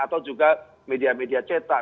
atau juga media media cetak